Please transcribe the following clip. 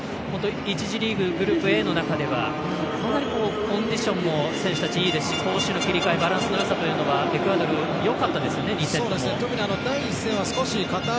１次リーググループＡの中ではかなりコンディションも選手たちいいですし攻守の切り替えバランスよさというのはエクアドル、よかったですよね